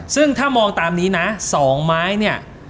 ซึ่งถ้ามองตามนี้นะ๒ไม้เนี่ย